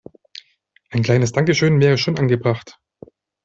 Ein kleines Dankeschön wäre schon angebracht.